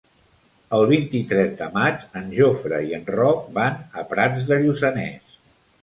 El vint-i-tres de maig en Jofre i en Roc van a Prats de Lluçanès.